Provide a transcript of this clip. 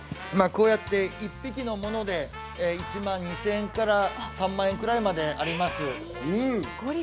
１匹のもので１万２０００円から３万円ぐらいまであります。